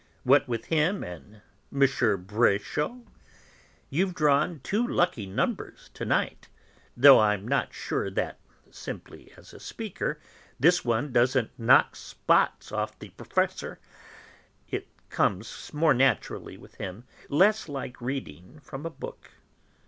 What with him and M. Bréchot you've drawn two lucky numbers to night; though I'm not so sure that, simply as a speaker, this one doesn't knock spots off the Professor. It comes more naturally with him, less like reading from a book.